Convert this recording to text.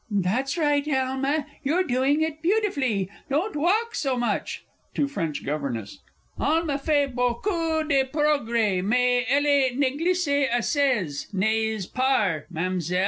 That's right. Alma, you're doing it beautifully don't walk so much! (To FRENCH GOVERNESS). Alma fay bocoo de progray, may elle ne glisse assez nayse par, Ma'amzell?